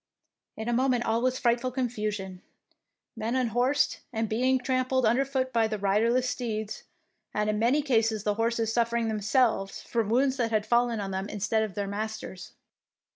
In a moment all was frightful 90 THE PEINCESS WINS confusion, men unhorsed and being trampled underfoot by the riderless steeds, and in many cases the horses suffering themselves from wounds that had fallen on them instead of their masters.